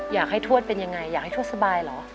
อยากให้ทวดเป็นยังไงอยากให้ทวดสบายเหรอ